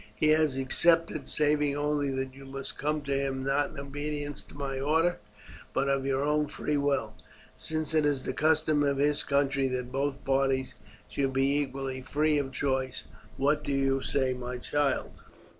He has accepted, saving only that you must come to him not in obedience to my orders but of your own free will, since it is the custom of his country that both parties should be equally free of choice. What do you say, my child?"